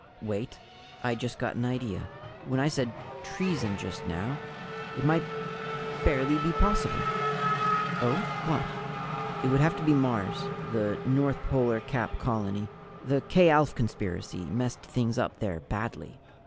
"Wait! I just got an idea. When I said 'treason,' just now It might barely be possible " "Oh, what?" "It would have to be Mars, the North Polar Cap colony. The K Alph Conspiracy messed things up there badly."